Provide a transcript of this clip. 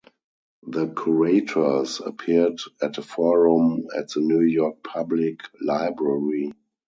The curators appeared at a forum at the New York Public Library.